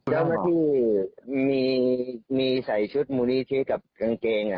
ก็ว่าพี่มีใส่ชุดมูลีที่กับกางเกงอ่ะ